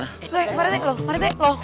eh pak rete loh pak rete loh